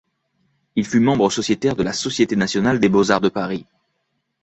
Il fut membre sociétaire de la Société nationale des beaux-arts de Paris.